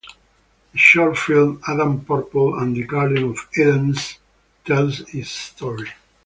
The short film "Adam Purple and the Garden of Eden" tells its history.